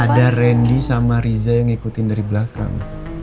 ada randy sama riza yang ngikutin dari belakang